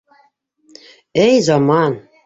Эй заман!